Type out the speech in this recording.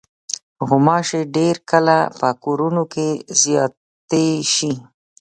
غوماشې ډېر کله په کورونو کې زیاتې شي.